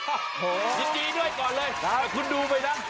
อันนี้ดีด้วยก่อนเลยแต่คุณดูไหมนะ